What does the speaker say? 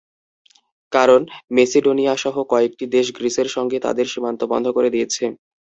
কারণ, মেসিডোনিয়াসহ কয়েকটি দেশ গ্রিসের সঙ্গে তাদের সীমান্ত বন্ধ করে দিয়েছে।